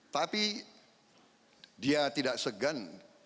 tapi dia tidak segan